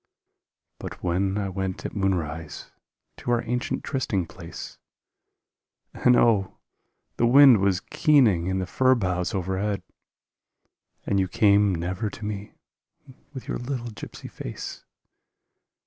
But when I went at moonrise to our ancient trysting place And, oh, the wind was keening in the fir boughs overhead !.... And you came never to me with your little gypsy face.